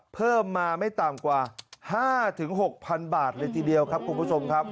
เพิ่มมาไม่ต่ำกว่า๕๖๐๐๐บาทเลยทีเดียวครับคุณผู้ชมครับ